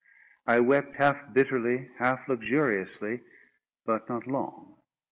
I wept half bitterly, half luxuriously; but not long.